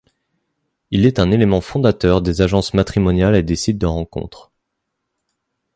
Il est un élément fondateur des agences matrimoniales et des sites de rencontres.